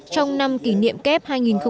trong năm kỷ niệm kép hai nghìn một mươi chín